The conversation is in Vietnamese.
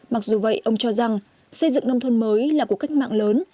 mặc dù vậy ông cho rằng xây dựng nông thôn mới là cuộc cách mạng lớn